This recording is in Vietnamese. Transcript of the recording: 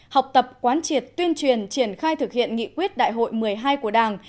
học tập quán triệt tuyên truyền triển khai thực hiện nghị quyết đại hội một mươi hai của đảng